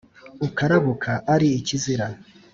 ukarabuka, ari ikizira,